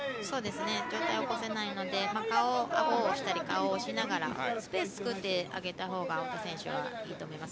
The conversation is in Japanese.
上体を起こせないのであごを押したり、顔を押しながらスペース作ってあげたほうが太田選手は、いいと思います。